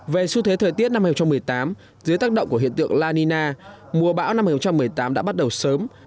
về xu thế thời tiết năm hai nghìn một mươi tám dưới tác động của hiện tượng la nina mùa bão năm hai nghìn một mươi tám đã bắt đầu sớm